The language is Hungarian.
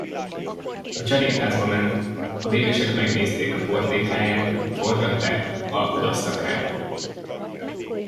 A cselédházba ment; a béresek megnézték a portékáját, forgatták, alkudoztak rá.